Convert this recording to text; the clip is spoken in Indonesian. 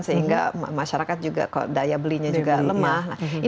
sehingga masyarakat juga kalau daya belinya juga lemah